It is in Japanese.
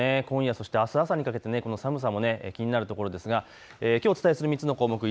今夜そしてあす朝にかけてこの寒さも気になるところですが、きょうお伝えする３つの項目。